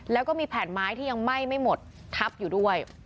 แล้วก็มีแผ่นไม้ที่ยังไหม้ไม่หมดทับอยู่ด้วย